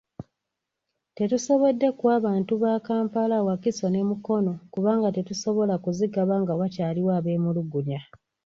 Tetusobodde kuwa bantu ba Kampala, Wakiso ne Mukono kubanga tetusobola kuzigaba nga wakyaliwo abeemulugunya.